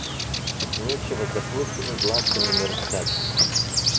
Нечего заплывшими глазками мерцать.